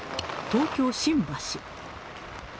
東京・新橋。